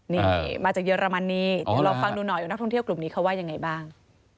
นี่มาจากเยอรมนีเดี๋ยวลองฟังดูหน่อยว่านักท่องเที่ยวกลุ่มนี้เขาว่ายังไงบ้าง